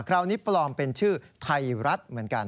คราวนี้ปลอมเป็นชื่อไทยรัฐเหมือนกัน